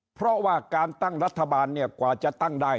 เพราะว่าการตั้งรัฐบาลเนี่ยกว่าจะตั้งได้